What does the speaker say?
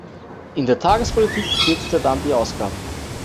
In der Tagespolitik kürzt er dann die Ausgaben.